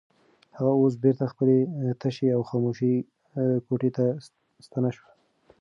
هغه اوس بېرته خپلې تشې او خاموشې کوټې ته ستنه شوه.